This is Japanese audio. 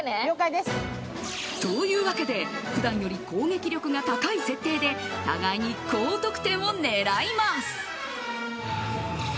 というわけで、普段より攻撃力が高い設定で互いに高得点を狙います。